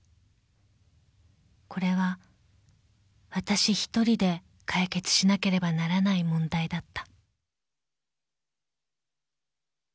［これはわたし１人で解決しなければならない問題だった］